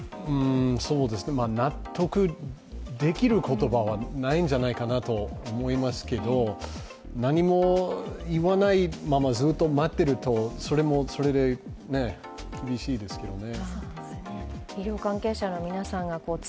納得できる言葉はないんじゃないかなと思いますけど、何も言わないままずっと待ってるとそれも厳しいですけどね。